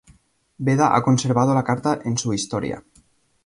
Beda ha conservado la carta en su "Historia".